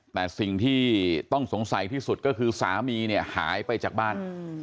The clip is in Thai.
แต่สิ่งที่ต้องสงสัยที่สุดก็คือสามีเนี่ยหายไปจากบ้าน